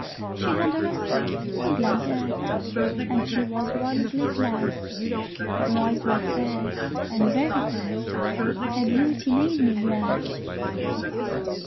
She had a rustic, woodland air, And she was wildly clad; Her eyes were fair, and very fair; Her beauty made me glad.